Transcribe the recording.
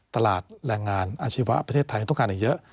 แรงงานอาชีวะประเทศไทยต้องการอีกเยอะ